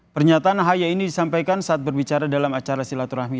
pernyataan ahy ini disampaikan saat berbicara dalam acara silaturahmi